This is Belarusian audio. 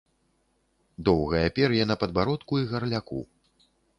Доўгае пер'е на падбародку і гарляку.